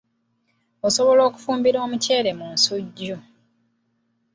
Osobola okufumbira omuceere mu nsujju.